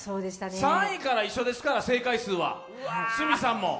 ３位から一緒ですから、正解数は、鷲見さんも。